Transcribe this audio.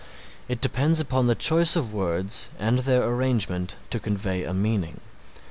It depends upon the choice of words and their arrangement to convey a meaning.